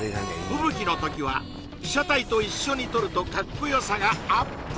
吹雪の時は被写体と一緒に撮るとかっこよさがアップ